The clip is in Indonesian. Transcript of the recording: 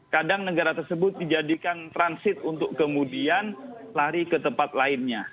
kadang negara tersebut dijadikan transit untuk kemudian lari ke tempat lainnya